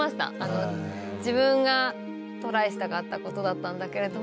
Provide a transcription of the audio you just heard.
自分がトライしたかったことだったんだけれども。